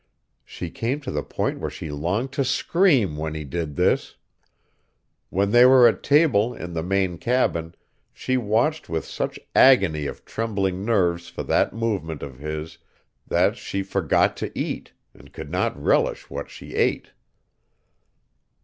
She came to the point where she longed to scream when he did this. When they were at table in the main cabin, she watched with such agony of trembling nerves for that movement of his that she forgot to eat, and could not relish what she ate.